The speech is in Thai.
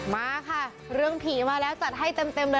มาค่ะเรื่องผีมาแล้วจัดให้เต็มเลย